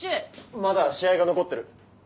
まだ試合が残ってる。